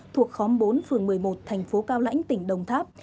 thuộc khóm bốn phường một mươi một tp cao lãnh tỉnh đồng tháp